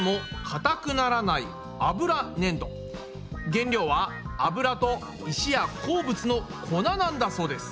原料は油と石や鉱物の粉なんだそうです。